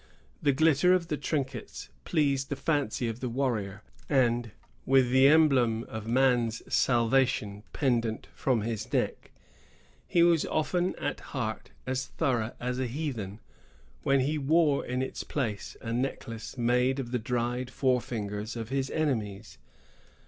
The glitter of the trinkets pleased the fancy of the warrior; and, with the emblem of man's salvation pendent from his neck, he was often at heart as thorough a heathen as when he wore in its place a necklace made of the dried forefingers of his enemies.